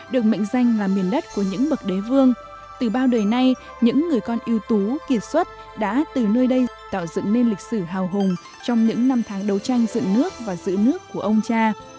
được mệnh danh là miền đất của những bậc đế vương từ bao đời nay những người con yêu tú kiệt xuất đã từ nơi đây tạo dựng nên lịch sử hào hùng trong những năm tháng đấu tranh dựng nước và giữ nước của ông cha